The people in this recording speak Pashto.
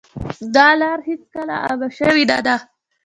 دا لاره هېڅکله عامه شوې نه ده.